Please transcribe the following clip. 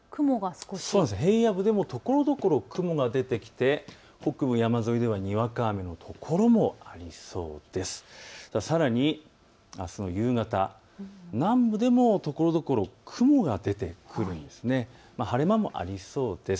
平野部でもところどころ雲が出てきて北部、山沿いではにわか雨、さらに、あすの夕方、南部でもところどころ雲が出てくるんです。